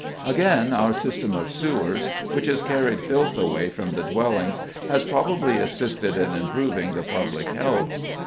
Again, our system of sewers, which has carried filth away from the dwellings, has probably assisted in improving the public health.